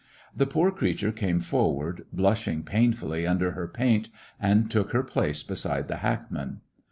The poor creature came forward, blushing painfully under her paint, and took her place beside the hackman.